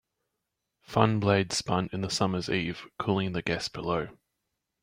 Fan blades spun in the summer's eve, cooling the guests below.